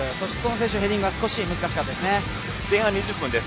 ヘディングは少し難しかったです。